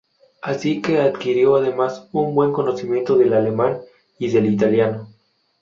Así que adquirió, además, un buen conocimiento del alemán y del italiano.